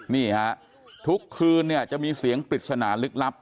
นี่ครับทุกคืนจะมีเสียงปริศนาลึกลับ